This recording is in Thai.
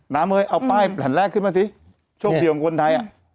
น้ำเอ้ยเอาป้ายแหล่นแรกขึ้นมาสิโชคดีของคนไทย